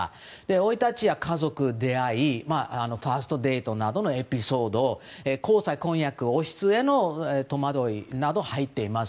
生い立ちや家族、出会いファーストデートなどのエピソードに交際、婚約王室への戸惑いなど入っています。